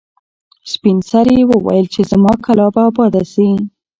سپین سرې وویل چې زما کلا به اباده شي.